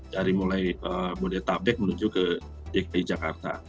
dari mulai bodetabek menuju ke dki jakarta